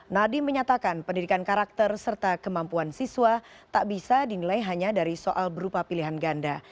nadiem menyatakan pendidikan karakter serta kemampuan siswa tak bisa dinilai hanya dari soal berupa pilihan ganda